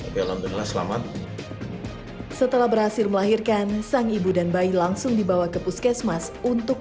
ini alhamdulillah selamat setelah berhasil melahirkan sang ibu dan bayi langsung dibawa ke puskesmas untuk